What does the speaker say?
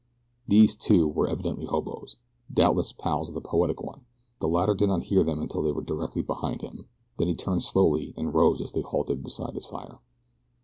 These, too, were evidently hobos. Doubtless pals of the poetical one. The latter did not hear them until they were directly behind him. Then he turned slowly and rose as they halted beside his fire.